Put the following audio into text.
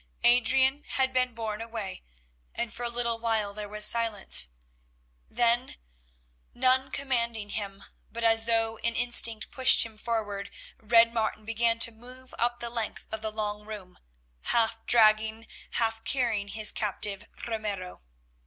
Adrian had been borne away, and for a little while there was silence. Then, none commanding him, but as though an instinct pushed him forward, Red Martin began to move up the length of the long room, half dragging, half carrying his captive Ramiro.